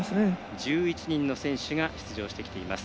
１１人の選手が出場してきています。